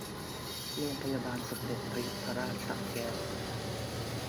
โรงพยาบาลสมเด็จพระยุพราชสระแก้ว